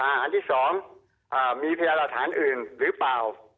อันที่สองมีพยานอาธารณ์อื่นหรือเปล่า